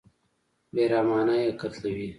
بېرحمانه یې قتلوي.